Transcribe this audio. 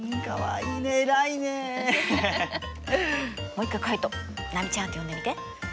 もう一回カイト「波ちゃん」って呼んでみて。